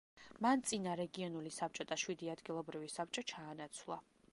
მან წინა რეგიონული საბჭო და შვიდი ადგილობრივი საბჭო ჩაანაცვლა.